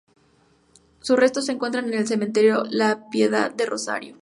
Sus restos se encuentran en el cementerio La Piedad de Rosario.